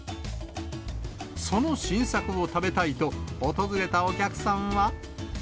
その新作を食べたいと、訪れたお客さんは。